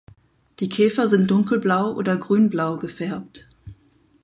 Die Käfer sind dunkelblau oder grünblau gefärbt.